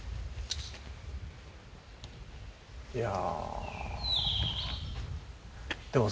いや。